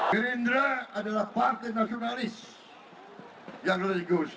gerindra adalah partai nasionalis yang religius